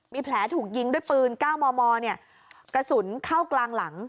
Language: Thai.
มีแผลถูกยิงด้วยปืนก้าวมอมอเนี้ยกระสุนเข้ากลางหลัง